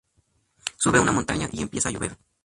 Sube a una montaña y empieza a llover.